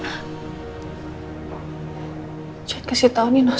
jangan kasih tau ini nolong